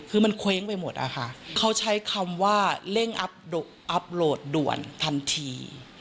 คือมันเคว้งไปหมดอะค่ะเขาใช้คำว่าเร่งอัพโหลดด่วนทันที